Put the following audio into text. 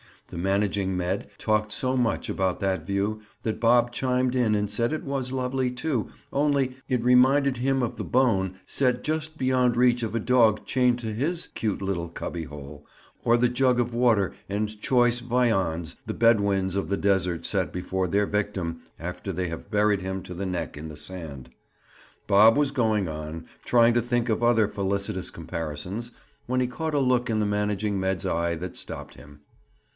The managing med. talked so much about that view that Bob chimed in and said it was lovely, too, only, it reminded him of the bone set just beyond reach of a dog chained to his cute little cubby hole; or the jug of water and choice viands the Bedouins of the desert set before their victim after they have buried him to the neck in the sand. Bob was going on, trying to think of other felicitous comparisons, when he caught a look in the managing med's. eye that stopped him.